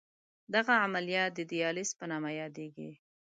دغه عملیه د دیالیز په نامه یادېږي.